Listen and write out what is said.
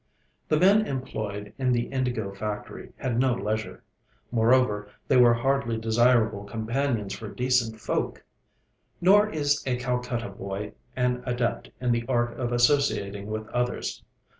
The men employed in the indigo factory had no leisure; moreover, they were hardly desirable companions for decent folk. Nor is a Calcutta boy an adept in the art of associating with others.